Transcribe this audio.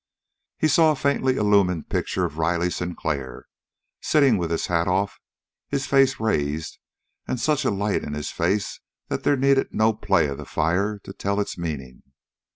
He saw a faintly illumined picture of Riley Sinclair, sitting with his hat off, his face raised, and such a light in his face that there needed no play of the fire to tell its meaning.